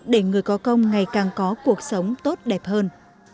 để người có công ngày càng có cuộc sống tốt đẹp hơn